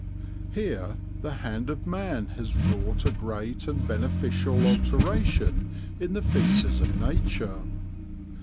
Here the hand of man has wrought a great and beneficial alteration in the features of nature.